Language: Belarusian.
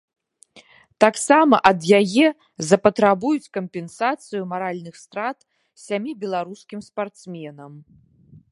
Таксама ад яе запатрабуюць кампенсацыю маральных страт сямі беларускім спартсменам.